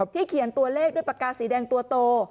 เขียนตัวเลขด้วยปากกาสีแดงตัวโต